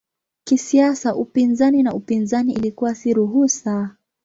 Kisiasa upinzani na upinzani ilikuwa si ruhusa.